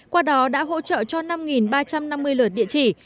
qua đó đã hỗ trợ cho năm ba trăm năm mươi lượt địa chỉ